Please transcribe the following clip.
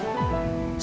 setiap kali menjelaskan